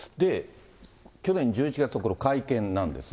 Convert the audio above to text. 去年１１月のこの会見なんですが。